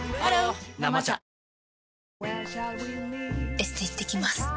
エステ行ってきます。